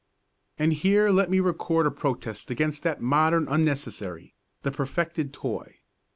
And here let me record a protest against that modern unnecessary, the perfected toy.